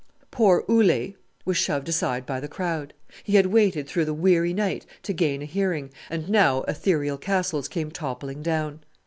Poor Ole was shoved aside by the crowd. He had waited through the weary night to gain a hearing, and now ethereal castles came toppling down!